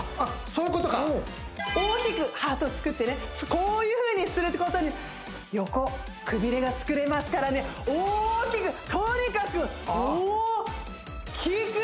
そういうことか大きくハート作ってねこういうふうにするってことに横くびれが作れますからね大きくとにかく大きく！